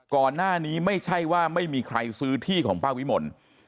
ก่อนหน้านี้ไม่ใช่ว่าไม่มีใครซื้อที่ของป้าวิมล